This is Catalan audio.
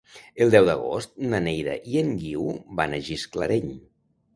El deu d'agost na Neida i en Guiu van a Gisclareny.